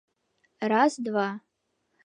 Раз-два...